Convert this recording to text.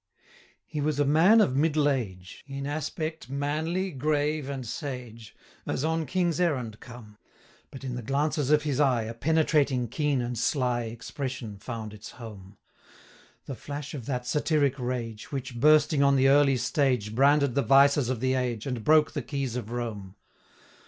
He was a man of middle age; In aspect manly, grave, and sage, 125 As on King's errand come; But in the glances of his eye, A penetrating, keen, and sly Expression found its home; The flash of that satiric rage, 130 Which, bursting on the early stage, Branded the vices of the age, And broke the keys of Rome.